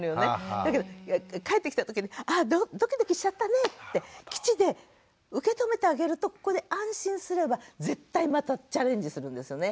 だけど帰ってきた時に「あドキドキしちゃったね」って基地で受け止めてあげるとここで安心すれば絶対またチャレンジするんですよね。